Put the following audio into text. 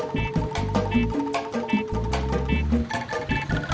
sintau hasil barbien